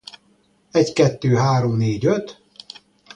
Az őszirózsás forradalom idején a földosztás mellett kampányolt.